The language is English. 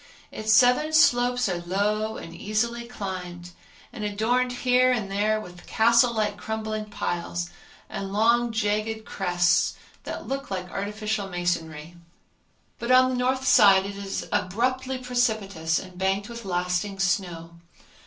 Its southern slopes are low and easily climbed, and adorned here and there with castle like crumbling piles and long jagged crests that look like artificial masonry; but on the north side it is abruptly precipitous and banked with lasting snow.